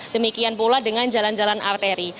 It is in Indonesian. demikian pula dengan jalan jalan arteri